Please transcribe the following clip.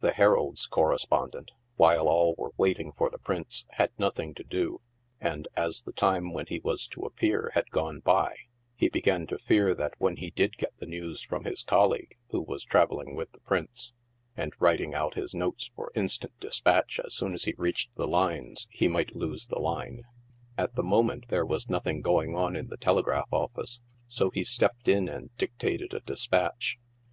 The Herald's correspondent, while all were waiting for the Prince, had nothing to do, and a3 the time when he was to appear hadgone by, he began to fear that when he did get the news from his colleague, who was traveling with the Prince, and writing out his notes for instant despatch as soon as he reached the lines, he might lose the line. At the moment there was nothing going on in the telegraph office, so he stepped in and dictated a de spatch.